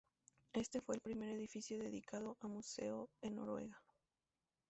Éste fue el primer edificio dedicado a museo en Noruega.